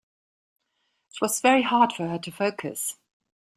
It was very hard for her to focus.